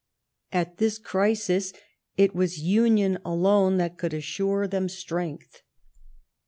At this crisis it was union alone that could assure them strength.